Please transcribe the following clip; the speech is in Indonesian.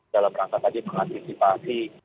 dalam rangka tadi mengantisipasi